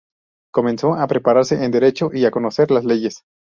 Comenzó a prepararse en derecho y a conocer las leyes.